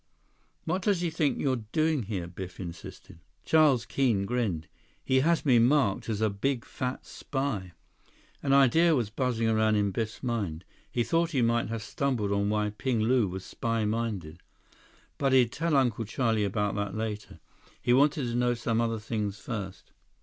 "What does he think you're doing here?" Biff insisted. Charles Keene grinned. "He has me marked as a big fat spy." An idea was buzzing around Biff's mind. He thought he might have stumbled on why Ping Lu was spy minded. But he'd tell Uncle Charlie about that later. He wanted to know some other things first.